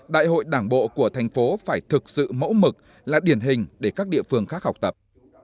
đại hội đảng bộ của thành phố phải thực sự mẫu mực là điển hình để các địa phương khác học tập